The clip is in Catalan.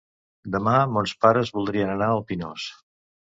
Demà mons pares voldrien anar al Pinós.